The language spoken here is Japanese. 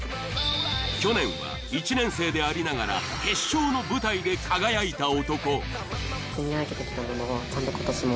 去年は１年生でありながら決勝の舞台で輝いた男。